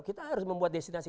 kita harus membuat destinasi